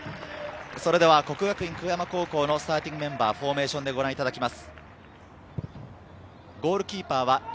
國學院久我山高校のスターティングメンバー、フォーメーションでご覧いただきます。